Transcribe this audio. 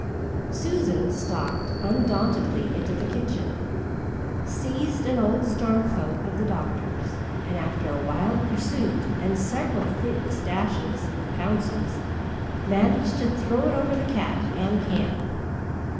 Susan stalked undauntedly into the kitchen, seized an old storm coat of the doctor's and after a wild pursuit and several fruitless dashes and pounces, managed to throw it over the cat and can.